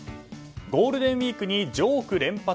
ゴールデンウィークにジョーク連発。